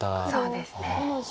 そうですね。